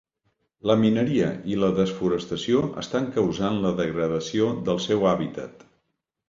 La mineria i la desforestació estan causant la degradació del seu hàbitat.